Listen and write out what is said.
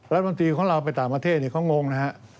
แล้วบางทีของเราไปต่างประเทศเขางงนะครับ